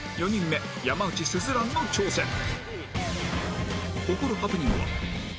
４人目山内鈴蘭の挑戦